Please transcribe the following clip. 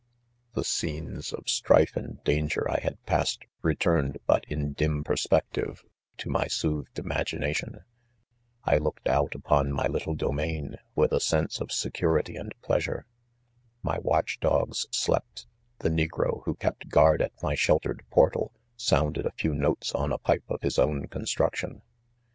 The scenes of strife and danger I had pass ed, returned but in dim perspective to my soothed imagination, I looked out upon my little domain, with a sense of security and pleasure, My watch dogs slept j the negro who ke»t ffuaid at my sheltered norlaL sounded a few notes on a pipe of his own construction.